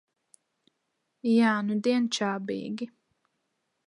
Jā, nudien čābīgi.